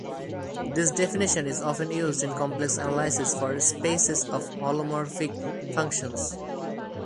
This definition is often used in complex analysis for spaces of holomorphic functions.